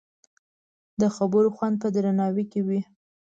د خبرو خوند په درناوي کې دی